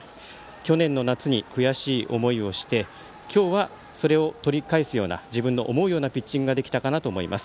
去年の夏に悔しい思いをして今日はそれを取り返すような自分の思うようなピッチングができたかなと思います。